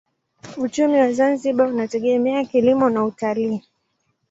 Uchumi wa Zanzibar unategemea kilimo na utalii.